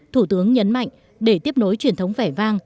thủ tướng nhấn mạnh để tiếp nối truyền thống vẻ vang